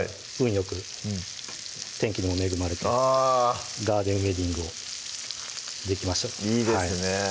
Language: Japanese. よく天気にも恵まれてあぁガーデンウエディングをできましたいいですねぇ